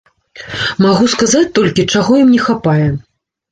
Магу сказаць толькі, чаго ім не хапае.